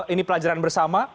ini pelajaran bersama